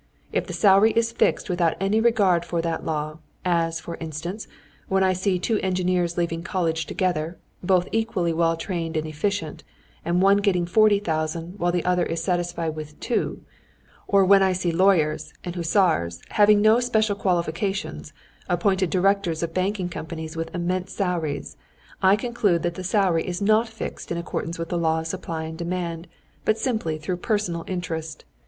If the salary is fixed without any regard for that law, as, for instance, when I see two engineers leaving college together, both equally well trained and efficient, and one getting forty thousand while the other is satisfied with two; or when I see lawyers and hussars, having no special qualifications, appointed directors of banking companies with immense salaries, I conclude that the salary is not fixed in accordance with the law of supply and demand, but simply through personal interest.